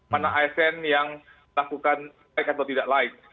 mana asn yang lakukan baik atau tidak lain